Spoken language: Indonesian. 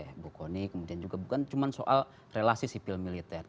yang dimaikan oleh bu koni kemudian juga bukan cuma soal relasi sipil militer